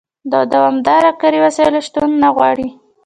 د دوامداره کاري وسایلو شتون نه غواړي.